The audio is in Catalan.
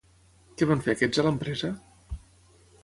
Què van fer aquests a l'empresa?